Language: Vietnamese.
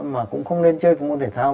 mà cũng không nên chơi các môn thể thao